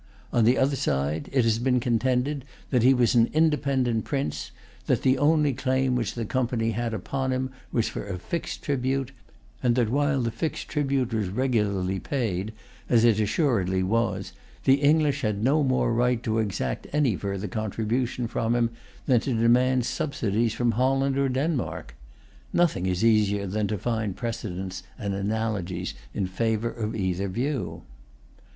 On the other side, it has been contended that he was an independent prince, that the only claim which the Company had upon him was for a fixed tribute, and that while the fixed tribute was regularly paid, as it assuredly was, the English had no more right to exact any further contribution from him than to demand subsidies from Holland or Denmark. Nothing is easier than to find precedents and analogies in favor of either view.